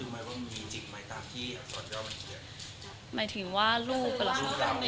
หมายถึงว่ารูปล่ะค่ะ